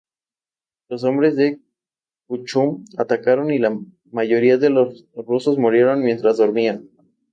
Los hombres de Kuchum atacaron y la mayoría de los rusos murieron mientras dormían.